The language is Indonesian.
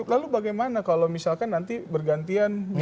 lalu bagaimana kalau misalkan nanti bergantian